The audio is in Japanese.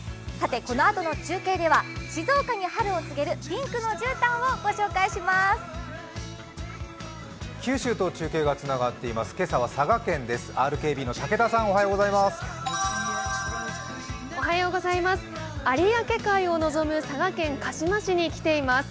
このあとの中継では静岡に春を告げるピンクのじゅうたんをご紹介します。